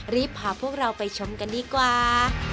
รีบพาพวกเราไปชมกันดีกว่า